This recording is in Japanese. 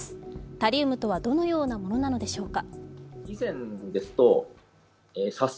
タリウムとは、どのようなものなのでしょうか。